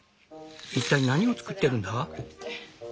一体何を作ってるんだ？